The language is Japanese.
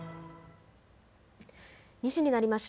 ２時になりました。